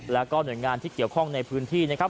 แล้วก็หน่วยงานที่เกี่ยวข้องในพื้นที่นะครับ